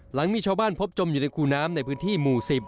หลังมีชาวบ้านพบจมอยู่ในคูน้ำในพื้นที่หมู่๑๐